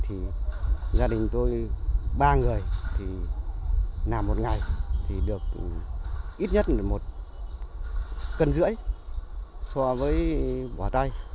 thì gia đình tôi ba người thì làm một ngày thì được ít nhất một cân rưỡi so với bỏ tay